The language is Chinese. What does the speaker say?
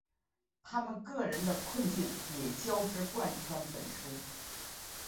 他们个人的困境也交织贯穿本书。